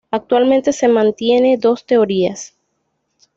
Actualmente se mantiene dos teorías.